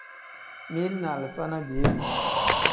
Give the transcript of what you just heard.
Mili ni alifa ni piyefuu.